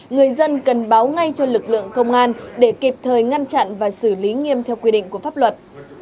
người dân cần báo ngay cho lực lượng công an để kịp thời ngăn chặn và xử lý nghiêm theo quy định của pháp luật